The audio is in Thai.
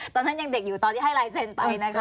ตอนนั้นยังเด็กอยู่ตอนที่ให้ลายเซ็นต์ไปนะคะ